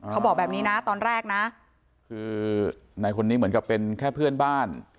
เขาบอกแบบนี้นะตอนแรกนะคือในคนนี้เหมือนกับเป็นแค่เพื่อนบ้าน